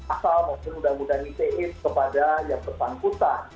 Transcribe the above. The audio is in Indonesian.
asal mungkin undang undang ite kepada yang depan kota